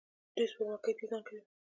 دوی سپوږمکۍ ډیزاین کوي.